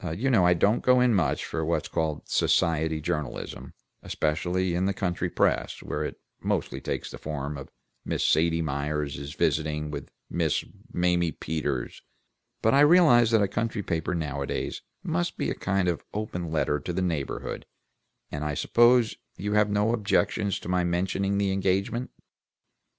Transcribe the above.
You know I don't go in much for what's called society journalism, especially in the country press, where it mostly takes the form of 'Miss Sadie Myers is visiting with Miss Mamie Peters,' but I realize that a country paper nowadays must be a kind of open letter to the neighborhood, and I suppose you have no objection to my mentioning the engagement?"